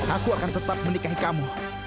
aku akan tetap menikahi kamu